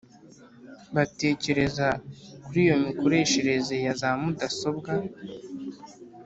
batekereza kuri iyo mikoreshereze yaza mudasobwa